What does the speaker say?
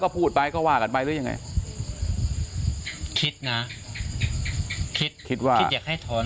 พูดไปก็ว่ากันไปหรือยังไงคิดนะคิดคิดว่าคิดอยากให้ถอน